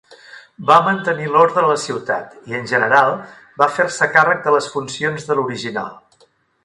Va mantenir l'ordre a la ciutat i en general va fer-se càrrec de les funcions de l'original.